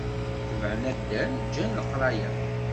Tebεen addal, ǧǧan leqraya.